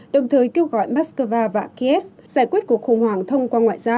đồng thời kêu gọi moscow và kiev giải quyết cuộc khủng hoảng thông qua ngoại giao